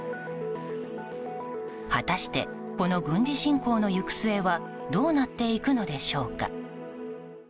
果たして、この軍事侵攻の行く末はどうなるでしょうか。